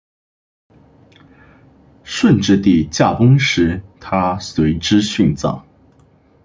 顺治帝驾崩时她随之殉葬。